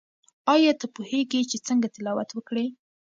آیا ته پوهیږې چې څنګه تلاوت وکړې؟